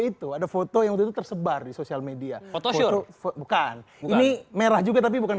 itu ada foto yang udah tersebar di sosial media foto bukan ini merah juga tapi bukan